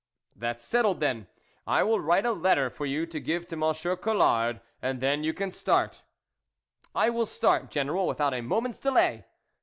" That's settled, then ; I will write a letter for you to give to M. Collard, and then you can start." " I will start, General, without a moment's delay."